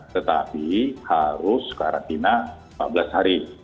tetapi harus karantina empat belas hari